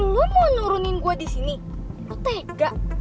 lu mau nurunin gue disini lo tega